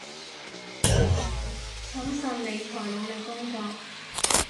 審慎理財，努力工作